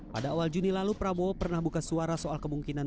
pada awal juni lalu prabowo pernah buka suara soal kemungkinan